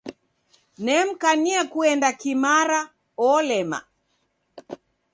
Nemkania kuenda kimara, olema.